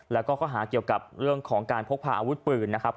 แล้วก็ข้อหาเกี่ยวกับเรื่องของการพกพาอาวุธปืนนะครับ